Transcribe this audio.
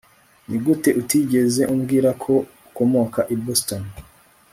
nigute utigeze umbwira ko ukomoka i boston